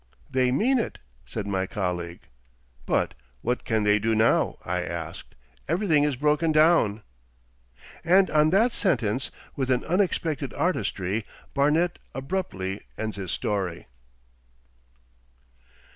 '"They mean it," said my colleague. '"But what can they do now?" I asked. "Everything is broken down...."' And on that sentence, with an unexpected artistry, Barnet abruptly ends his story.